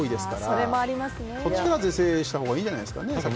そっちを是正したほうがいいんじゃないですかね。